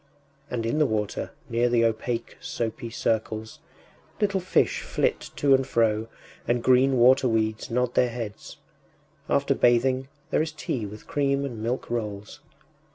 And in the water, near the opaque soapy circles, little fish flit to and fro and green water weeds nod their heads. After bathing there is tea with cream and milk rolls....